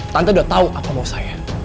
tante udah tau apa mau saya